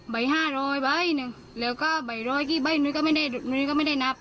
ห้าร้อยใบหนึ่งแล้วก็ใบร้อยกี่ใบนุ้ยก็ไม่ได้นุ้ยก็ไม่ได้นับ